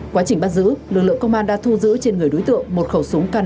quá trình bắt giữ lực lượng công an đã thu giữ trên người đối tượng một khẩu súng k năm mươi chín